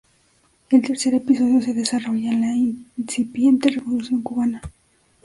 El tercer episodio se desarrolla en la incipiente Revolución cubana.